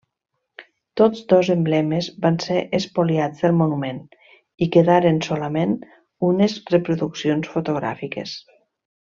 Tots dos emblemes van ser espoliats del monument, i quedaren solament unes reproduccions fotogràfiques.